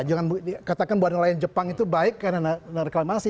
jangan katakan bahwa nelayan jepang itu baik karena reklamasi